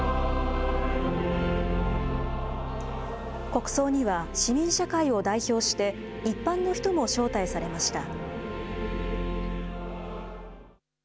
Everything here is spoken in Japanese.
国葬には市民社会を代表して、一般の人も招待されました。